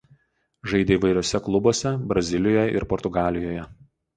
Žaidė įvairiuose klubuose Brazilijoje ir Portugalijoje.